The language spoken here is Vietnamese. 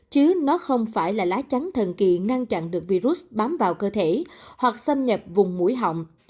chứ nó không phải là lá chắn thần kỳ ngăn chặn được virus bám vào cơ thể hoặc xâm nhập vùng mũi họng